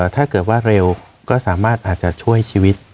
ถ้าเกิดว่าเร็วก็สามารถอาจจะช่วยชีวิต